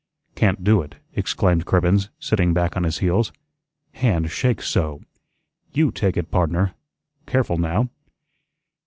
"Can't do it," exclaimed Cribbens, sitting back on his heels, "hand shakes so. YOU take it, pardner. Careful, now."